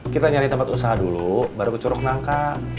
kita nyari tempat usaha dulu baru kecoruk nangka